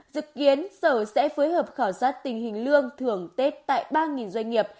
dự kiến sở sẽ phối hợp khảo sát tình hình lương thưởng tết tại ba doanh nghiệp